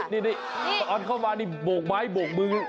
นี่ตอนเข้ามานี่โบกไม้โบกมือ